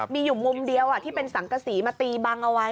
มีอยู่มุมเดียวที่เป็นสังกษีมาตีบังเอาไว้